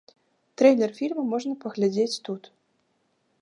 Трэйлер фільма можна паглядзець тут.